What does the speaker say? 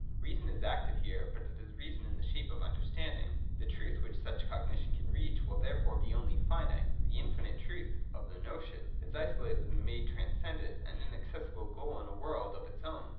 Reason is active here, but it is reason in the shape of understanding. The truth which such Cognition can reach will therefore be only finite : the infinite truth (of the notion) is isolated and made transcendent, an inaccessible goal in a world of its own.